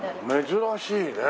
珍しいね。